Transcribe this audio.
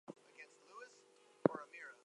Mixed chalcogen halides also exist.